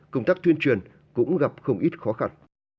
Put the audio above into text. công tác tuyên truyền cũng gặp không ít khó khăn